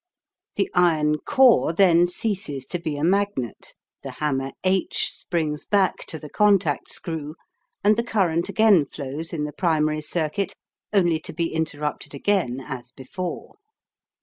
The iron core then ceases to be a magnet, the hammer H springs back to the contact screw, and the current again flows in the primary circuit only to be interrupted again as before.